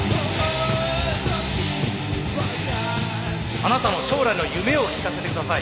あなたの将来の夢を聞かせてください。